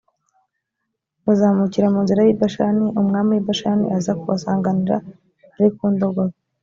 bazamukira mu nzira y‘i bashani umwami w’i bashani aza kubasanganira ari ku ndogobe